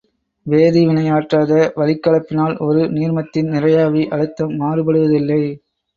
வேதிவினையாற்றாத வளிக்கலப்பினால் ஒரு நீர்மத்தின் நிறையாவி அழுத்தம் மாறுபடுவதில்லை.